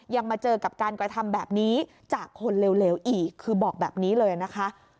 มาเจอกับการกระทำแบบนี้จากคนเลวอีกคือบอกแบบนี้เลยนะคะ